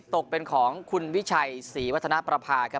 ตกเป็นของคุณวิชัยศรีวัฒนประภาครับ